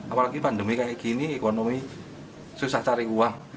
apalagi pandemi seperti ini ekonomi susah cari uang